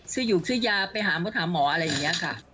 อยู่ซื้อยาไปหามดหาหมออะไรอย่างนี้ค่ะ